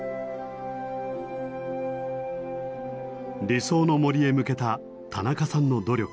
理想の森へ向けた田中さんの努力。